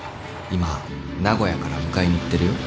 今名古屋からお迎えに行ってるよ。